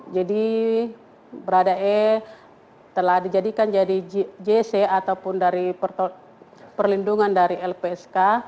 jadi brada e telah dijadikan jadi jc ataupun dari perlindungan dari lpsk